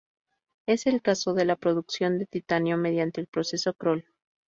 Es el caso de la producción de titanio mediante el proceso Kroll.